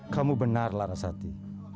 kamu benar larasati